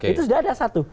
itu sudah ada satu